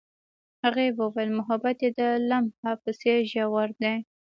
هغې وویل محبت یې د لمحه په څېر ژور دی.